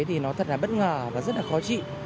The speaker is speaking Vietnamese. thì nó thật là bất ngờ và rất là khó chịu